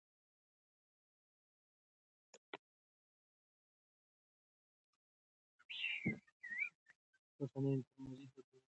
په سنن ترمذي، طبراني او د احاديثو په نورو کتابونو کي